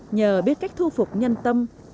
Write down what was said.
nhờ biết cách thu phục nhân tâm